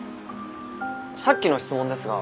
さっきの質問ですが。